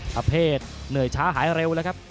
ประเภทเหนื่อยช้าหายเร็วแล้วครับ